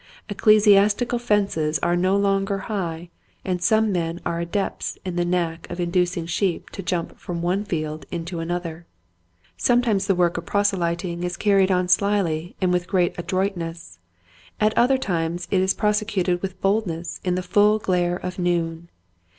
Ecclesiastical fences are no longer high and some men are adepts in the knack of inducing sheep to jump from one field into another. Sometimes the work of proselyting is carried on slyly and with great adroitness, at other times it is prose cuted with boldness in the full glare of noon.